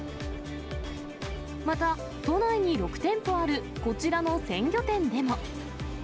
また、都内に６店舗あるこちらの鮮魚店でも。